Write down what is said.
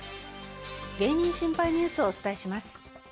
「芸人シンパイニュース」をお伝えします。